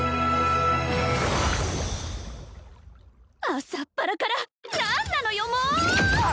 朝っぱらから何なのよもう！